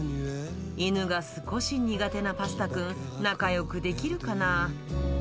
犬が少し苦手なパスタくん、仲よくできるかな。